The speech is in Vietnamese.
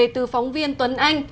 từ phóng viên tuấn anh